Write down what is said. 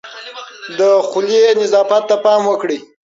د خولې نظافت ته پام وکړئ.